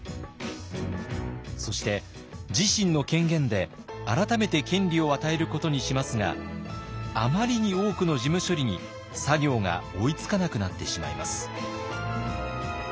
そして自身の権限で改めて権利を与えることにしますがあまりに多くの事務処理に作業が追いつかなくなってしまいます。